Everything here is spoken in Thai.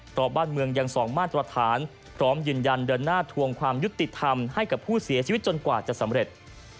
เพราะบ้านเมืองยังส่องมาตรฐานพร้อมยืนยันเดินหน้าทวงความยุติธรรมให้กับผู้เสียชีวิตจนกว่าจะสำเร็จ